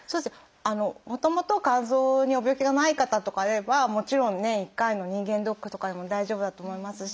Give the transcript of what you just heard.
もともと肝臓にご病気がない方とかであればもちろん年１回の人間ドックとかでも大丈夫だと思いますし。